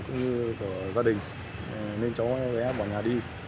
cũng như của gia đình nên cháu ghé bỏ nhà đi